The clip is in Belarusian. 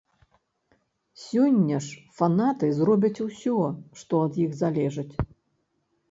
Сёння ж фанаты зробяць усё, што ад іх залежыць.